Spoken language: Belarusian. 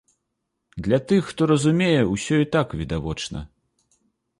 Для тых, хто разумее, усё і так відавочна.